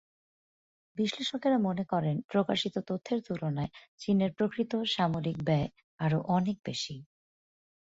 বিশ্লেষকেরা মনে করেন, প্রকাশিত তথ্যের তুলনায় চীনের প্রকৃত সামরিক ব্যয় আরও অনেক বেশি।